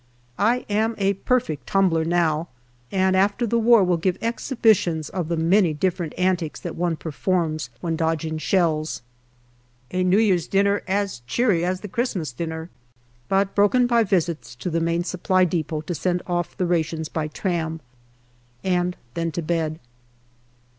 I am a perfect tumbler now, and after the war will give exhibitions of the many different antics that one performs when dodging shells. A New Year's dinner, as cheery as the Christmas dinner, but broken by visits to the Main Supply depot to send off the rations by tram, and then to bed.